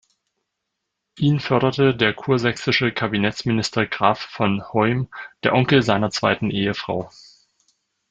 Ihn förderte der kursächsische Kabinettsminister Graf von Hoym, der Onkel seiner zweiten Ehefrau.